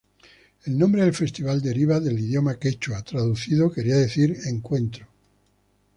El nombre del festival deriva del idioma quechua, traducido querría decir: Encuentro.